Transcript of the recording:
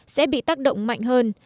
sẽ bị tác động mạnh hơn